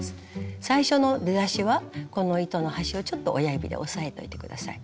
最初の出だしはこの糸の端をちょっと親指で押さえといて下さい。